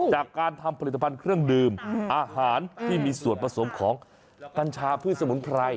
จากการทำผลิตภัณฑ์เครื่องดื่มอาหารที่มีส่วนผสมของกัญชาพืชสมุนไพร